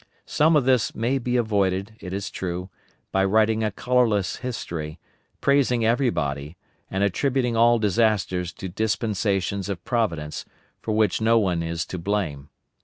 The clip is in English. Some of this may be avoided, it is true, by writing a colorless history, praising everybody, and attributing all disasters to dispensations of Providence, for which no one is to blame.